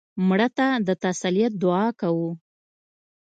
مړه ته د تسلیت دعا کوو